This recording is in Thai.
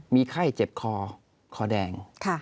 มีไข้เจ็บคอเชื้อคอแดง